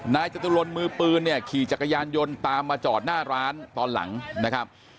จตุรนมือปืนเนี่ยขี่จักรยานยนต์ตามมาจอดหน้าร้านตอนหลังนะครับ